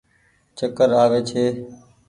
چڪر آوي ڇي ۔